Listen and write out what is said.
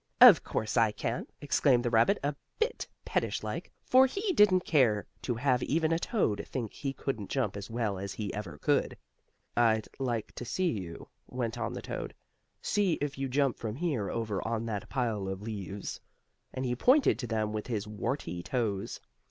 "Of course, I can," exclaimed the rabbit, a bit pettish like, for he didn't care to have even a toad think he couldn't jump as well as ever he could. "I'd like to see you," went on the toad. "See if you jump from here over on that pile of leaves," and he pointed to them with his warty toes.